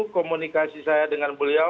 komunikasi saya dengan beliau